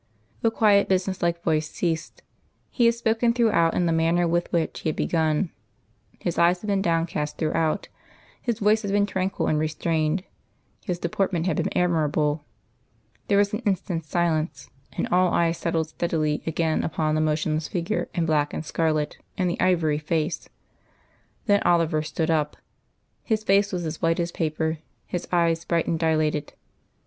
The quiet business like voice ceased. He had spoken throughout in the manner with which he had begun; his eyes had been downcast throughout; his voice had been tranquil and restrained. His deportment had been admirable. There was an instant's silence, and all eyes settled steadily again upon the motionless figure in black and scarlet and the ivory face. Then Oliver stood up. His face was as white as paper; his eyes bright and dilated.